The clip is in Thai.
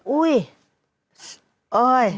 อุ้ยเอ้ย